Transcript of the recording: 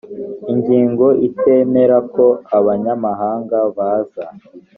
ingingo itemera ko abanyamahanga baza